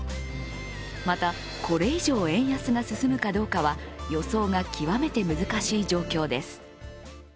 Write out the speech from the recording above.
また、これ以上円安が進むかどうかは、予想が極めて難しい状況です。